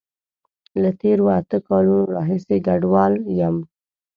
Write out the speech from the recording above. له تیرو اته کالونو راهیسی کډوال یم